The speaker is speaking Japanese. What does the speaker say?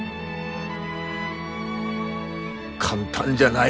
簡単じゃない。